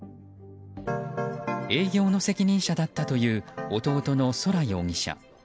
営業の責任者だったという弟の宇宙容疑者。